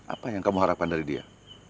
apa yang kamu harapkan dari dia